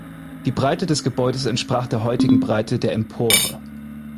Die Breite des Gebäudes entsprach der heutigen Breite der Empore.